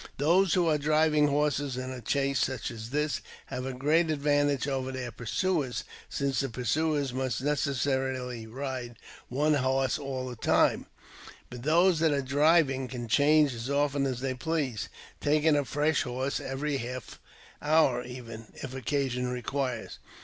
Those who are driving horses in a chase such as this have a great advantage over their pursuers, since the pursuer must necessarily ride one horse all the time, but those that are driving can change as often as they please, taking a fresh horse every half hour even, if occasion requires.